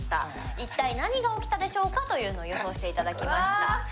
いったい何が起きたでしょうかというのを予想していただきました。